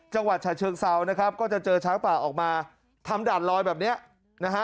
จังหวัดฉะเชิงเซานะครับก็จะเจอช้างป่าออกมาทำด่านลอยแบบเนี้ยนะฮะ